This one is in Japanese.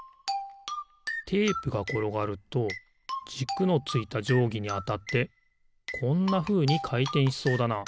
テープがころがるとじくのついたじょうぎにあたってこんなふうにかいてんしそうだな。